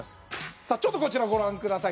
さあちょっとこちらご覧ください